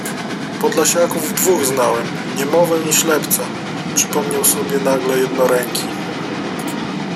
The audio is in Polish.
Podlasiaków dwóch znałem: niemowę i ślepca — przypomniał sobie nagle jednoręki.